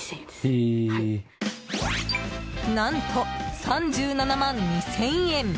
何と、３７万２０００円！